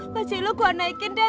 kacilu gua naikin deh